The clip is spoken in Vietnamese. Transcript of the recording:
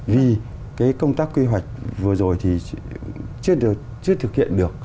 vì cái công tác kế hoạch vừa rồi thì chưa được chưa thực hiện được